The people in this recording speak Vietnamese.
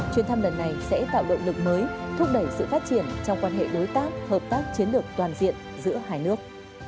chuyến thăm lần này sẽ tạo động lực mới thúc đẩy sự phát triển trong quan hệ đối tác hợp tác chiến lược toàn diện giữa hai nước